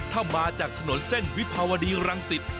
ถ้ามาจากถนนเส้นวิภาวดีรังสิต